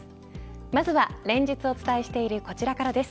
まずは連日お伝えしているこちらからです。